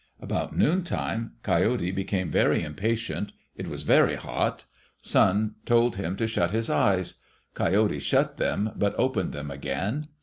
About noontime, Coyote became very impatient. It was very hot. Sun told him to shut his eyes. Coyote shut them, but opened them again.